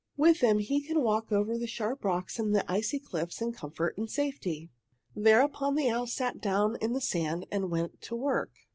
With them he can walk over the sharp rocks and the icy cliffs in comfort and safety!" Thereupon the owl sat down in the sand and went to work.